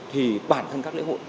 thì bản thân các lễ hội